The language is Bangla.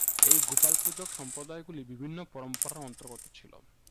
এই গোপাল-পূজক সম্প্রদায়গুলি বিভিন্ন পরম্পরার অন্তর্গত ছিল।